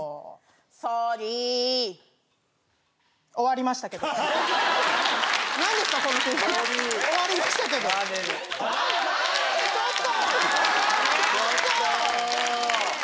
ソーリー終わりましたけどちょっと！